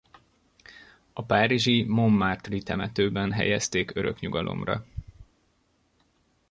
A párizsi Montmartre-i temetőben helyezték örök nyugalomra.